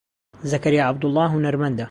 زەکەریا عەبدوڵڵا هونەرمەندە.